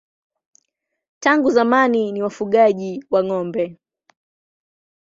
Tangu zamani ni wafugaji wa ng'ombe.